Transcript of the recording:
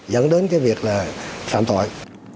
dẫn đến việc phạm tội